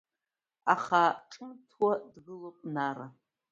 Аха ҿымҭуа дгылоуп Нара.